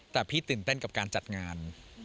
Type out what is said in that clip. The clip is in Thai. แต่พี่ตื่นเต้นกับการจัดงาน